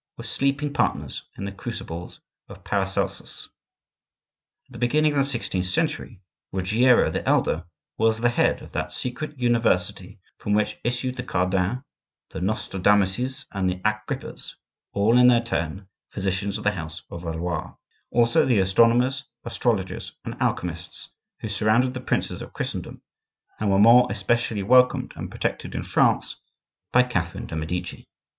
were sleeping partners in the crucibles of Paracelsus. At the beginning of the sixteenth century, Ruggiero the elder was the head of that secret university from which issued the Cardans, the Nostradamuses, and the Agrippas (all in their turn physicians of the house of Valois); also the astronomers, astrologers, and alchemists who surrounded the princes of Christendom and were more especially welcomed and protected in France by Catherine de' Medici.